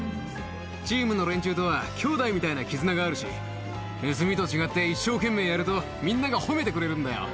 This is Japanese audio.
チームの連中とは、兄弟みたいな絆があるし、盗みと違って、一生懸命やると、みんなが褒めてくれるんだよ。